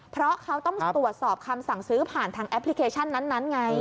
เพราะเขาต้องตรวจสอบคำสั่งซื้อผ่านทางแอปพลิเคชันนั้นไง